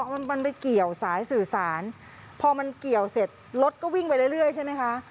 มันมันไปเกี่ยวสายสื่อสารพอมันเกี่ยวเสร็จรถก็วิ่งไปเรื่อยใช่ไหมคะ